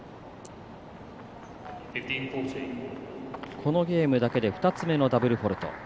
このゲームだけで２つ目のダブルフォールト。